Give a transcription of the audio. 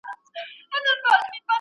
د درملنې لارې چارې لټوي.